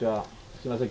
すみません